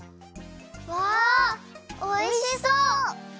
うわおいしそう！